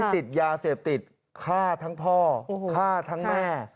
ติดยาเสพติดฆ่าทั้งพ่อฆ่าทั้งแม่